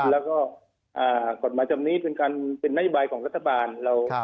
แล้วก็กฎหมายจำนี้เป็นการเป็นนโยบายของรัฐบาล